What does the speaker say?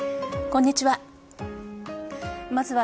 こんにちは。